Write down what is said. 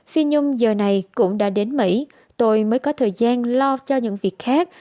phi nhung giờ này cũng đã đến mỹ tôi mới có thời gian lo cho những việc khác